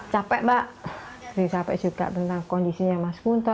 capek mbak capek juga tentang kondisinya mas kunto